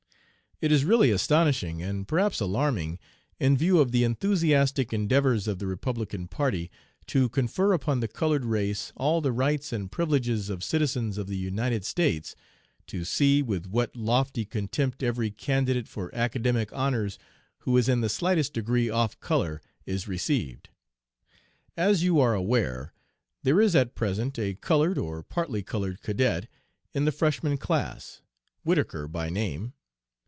It is really astonishing, and perhaps alarming, in view of the enthusiastic endeavors of the Republican party to confer upon the colored race all the rights and privileges of citizens of the United States, to see with what lofty contempt every candidate for academic honors who is in the slightest degree 'off color,' is received. As you are aware, there is at present a colored, or partly colored, cadet in the Freshman Class Whittaker by name.